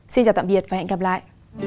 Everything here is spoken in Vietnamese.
xin chào tạm biệt và hẹn gặp lại